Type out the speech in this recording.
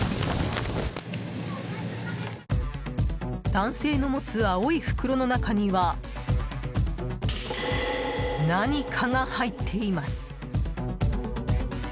男性の持つ青い袋の中には何かが入っています。